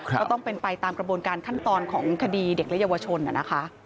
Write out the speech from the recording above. ก็ต้องเป็นไปตามกระบวนการขั้นตอนของคดีเด็กและเยาวชนนะคะ